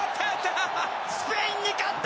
スペインに勝った！